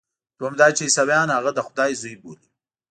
دوهم دا چې عیسویان هغه د خدای زوی بولي.